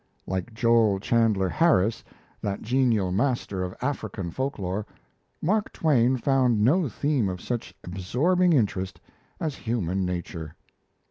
Like Joel Chandler Harris, that genial master of African folk lore, Mark Twain found no theme of such absorbing interest as human nature.